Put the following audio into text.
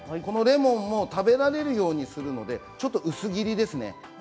このレモンも食べられるようにするのでちょっと薄切りですね。